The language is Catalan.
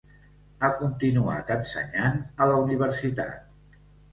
Ha continuat ensenyant a la universitat.